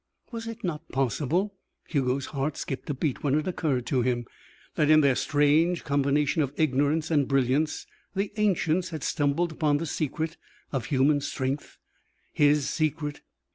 Was it not possible Hugo's heart skipped a beat when it occurred to him that in their strange combination of ignorance and brilliance the ancients had stumbled upon the secret of human strength his secret!